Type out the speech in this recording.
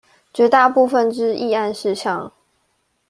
絕大部分之議案事項